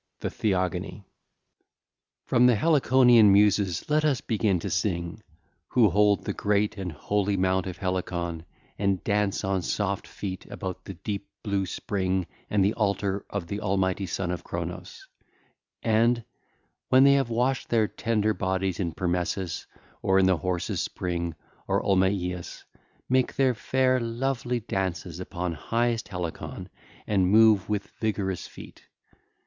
THE THEOGONY (ll. 1 25) From the Heliconian Muses let us begin to sing, who hold the great and holy mount of Helicon, and dance on soft feet about the deep blue spring and the altar of the almighty son of Cronos, and, when they have washed their tender bodies in Permessus or in the Horse's Spring or Olmeius, make their fair, lovely dances upon highest Helicon and move with vigorous feet.